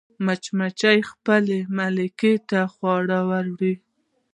مچمچۍ خپل ملکې ته خواړه وړي